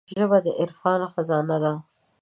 ژبه د عرفان خزانه ده